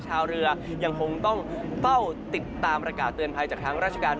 ชาวเรือยังคงต้องเฝ้าติดตามประกาศเตือนภัยจากทางราชการ